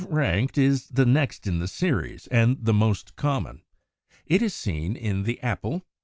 =Five ranked= is the next in the series, and the most common. It is seen in the Apple (Fig.